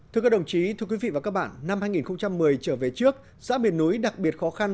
thưa các đồng chí thưa quý vị và các bạn năm hai nghìn một mươi trở về trước xã miền núi đặc biệt khó khăn